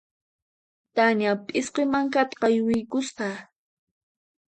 Tania p'isqi mankata qaywiykusqa.